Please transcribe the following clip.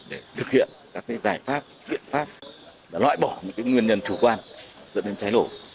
để thực hiện các giải pháp biện pháp và loại bỏ những nguyên nhân chủ quan dẫn đến cháy nổ